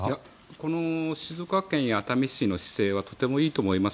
この静岡県や熱海市の姿勢はとてもいいと思います。